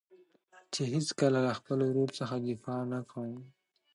چې هېڅکله له خپل ورور څخه دفاع نه کوم.